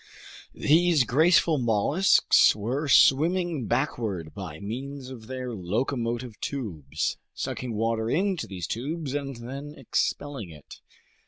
These graceful mollusks were swimming backward by means of their locomotive tubes, sucking water into these tubes and then expelling it.